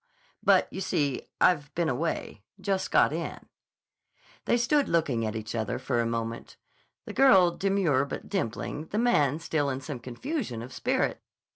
But, you see, I've been away. Just got in." They stood looking at each other for a moment, the girl demure but dimpling, the man still in some confusion of spirit.